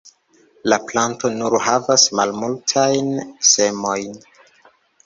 La planto nur havas malmultajn semojn.